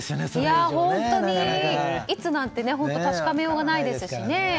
本当に、いつなんて確かめようがないですしね。